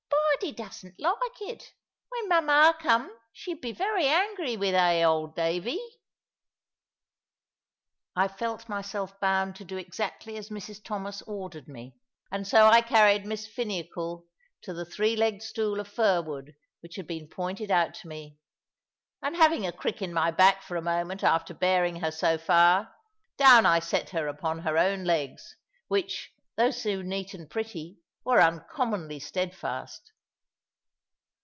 "Bardie doesn't 'ike it. When mama come, she be very angy with 'a, old Davy." I felt myself bound to do exactly as Mrs Thomas ordered me, and so I carried Miss Finical to the three legged stool of firwood which had been pointed out to me; and having a crick in my back for a moment after bearing her so far, down I set her upon her own legs, which, although so neat and pretty, were uncommonly steadfast.